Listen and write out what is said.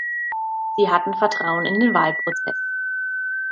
Sie hatten Vertrauen in den Wahlprozess.